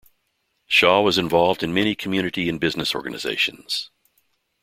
Shaw was involved in many community and business organizations.